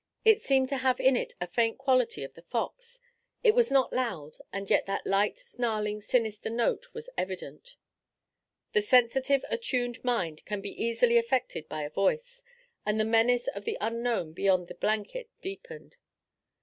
It seemed to have in it a faint quality of the fox. It was not loud, and yet that light, snarling, sinister note was evident. The sensitive, attuned mind can be easily affected by a voice, and the menace of the unknown beyond the blanket deepened.